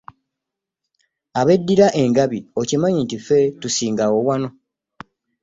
Abeddira engabi okimanyi nti ffe tusingawo wano?